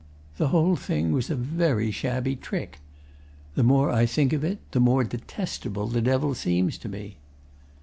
The whole thing was a very shabby trick. The more I think of it, the more detestable the Devil seems to me.